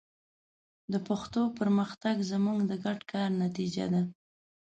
د پښتو پرمختګ زموږ د ګډ کار نتیجه ده.